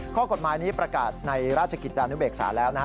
ข้อกฎหมายนี้ประกาศในราชกิจจานุเบกษาแล้วนะฮะ